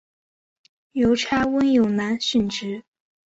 邮差温勇男殉职。